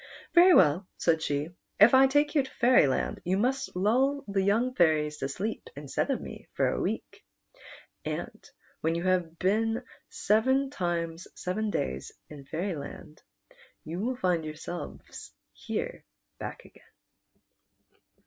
"Very well," said she; "if I take you to Fairyland, you must lull the young fairies to sleep instead of me for a week, and when you have been seven times seven daj s in Fairxdand you will find yourselves here back again."